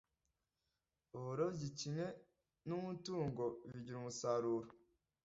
Uburobyi kimwe na umutungo bigira umusaruro